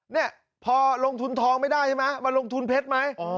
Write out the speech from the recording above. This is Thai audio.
เนี่ยพอลงทุนทองไม่ได้ใช่ไหมมาลงทุนเพชรไหม